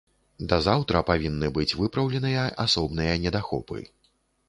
Да заўтра павінны быць выпраўленыя асобныя недахопы.